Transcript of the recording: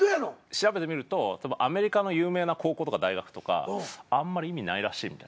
調べてみるとアメリカの有名な高校とか大学とかあんまり意味ないらしいみたいな。